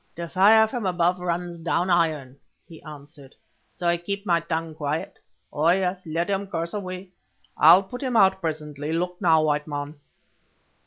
"The fire from above runs down iron," he answered, "so I keep my tongue quiet. Oh, yes, let him curse away, I'll put him out presently. Look now, white man."